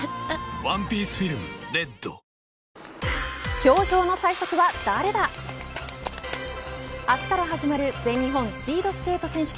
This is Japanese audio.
氷上の最速は誰だ明日から始まる全日本スピード選手権。